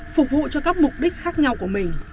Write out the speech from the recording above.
phục vụ cho các mục đích khác nhau của mình